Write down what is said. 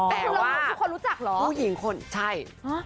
แต่ว่าผู้หญิงคนใช่